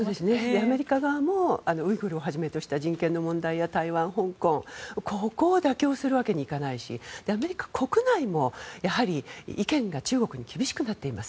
アメリカ側もウイグルをはじめとした人権の問題や台湾、香港ここを妥協するわけにはいかないしアメリカ国内もやはり意見が中国に厳しくなっています。